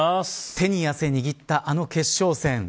手に汗握ったあの決勝戦